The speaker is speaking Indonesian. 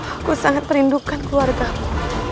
aku sangat menindukan keluargamu